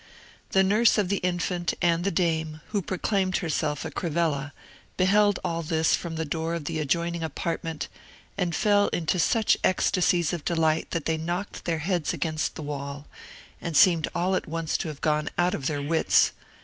The nurse of the infant and the dame, who proclaimed herself a Crivella, beheld all this from the door of the adjoining apartment, and fell into such ecstasies of delight that they knocked their heads against the wall, and seemed all at once to have gone out of their wits.